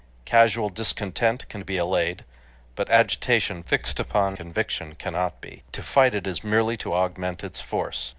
Casual discontent can be allayed, but agitation fixed upon conviction cannot be. To fight it is merely to augment its force.